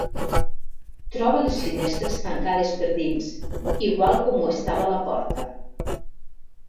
Troba les finestres tancades per dins, igual com ho estava la porta.